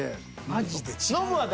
マジで違うって。